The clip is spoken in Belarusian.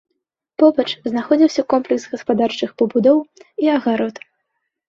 Побач знаходзіўся комплекс гаспадарчых пабудоў і агарод.